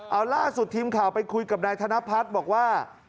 เอาล่าสุดทีมข่าวไปคุยกับนายธนพัฒน์บอกว่า